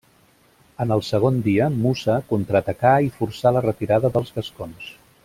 En el segon dia Mussa contraatacà i forçà la retirada dels gascons.